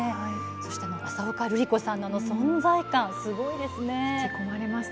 そして浅丘ルリ子さんの存在感すごいですね。